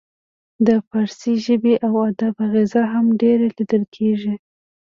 د فارسي ژبې او ادب اغیزه هم ډیره لیدل کیږي